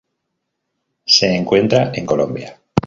Se encuentra en Colombia.